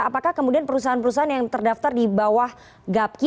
apakah kemudian perusahaan perusahaan yang terdaftar di bawah gapki